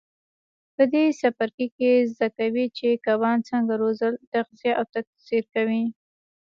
په دې څپرکي کې زده کوئ چې کبان څنګه روزل تغذیه او تکثیر کېږي.